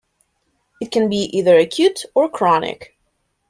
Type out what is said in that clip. It can be either acute or chronic.